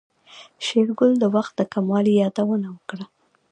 شېرګل د وخت د کموالي يادونه وکړه.